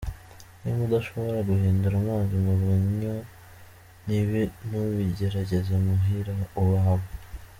Nimba udashobora guhindura amzi umuvinyu, n'ibi ntubigerageze muhira iwawe".